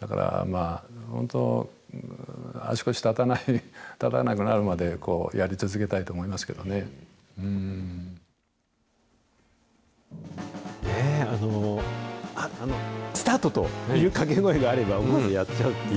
だからまあ、本当、足腰立たなくなるまでやり続けたいと思いますスタートという掛け声があれば、思わずやっちゃうっていう。